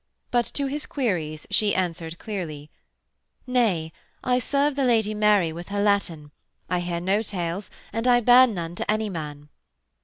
But, to his queries, she answered clearly: 'Nay, I serve the Lady Mary with her Latin. I hear no tales and I bear none to any man.'